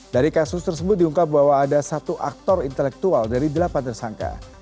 dari kasus tersebut diungkap bahwa ada satu aktor intelektual dari delapan tersangka